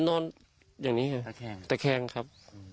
นอนอย่างนี้ค่ะตะแคงครับ